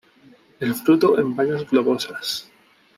El fruto en bayas globosas.